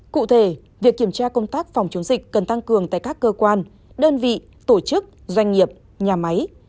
cụ thể việc kiểm tra công tác phòng chống dịch cần tăng cường tại các cơ quan đơn vị tổ chức doanh nghiệp nhà máy